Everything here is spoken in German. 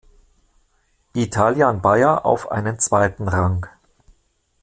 Italian Baja auf einen zweiten Rang.